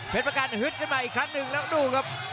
เพชรสร้างบ้านฮึดขึ้นมาอีกครั้งหนึ่งแล้วดูครับ